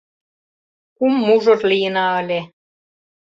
Кум мужыр лийына ыле.